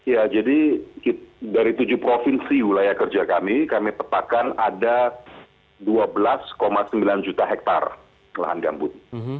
ya jadi dari tujuh provinsi wilayah kerja kami kami petakan ada dua belas sembilan juta hektare lahan gambut